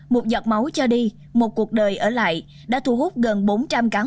một giọt máu cho đi một cuộc đời ở lại đã thu hút gần bốn trăm linh cán bộ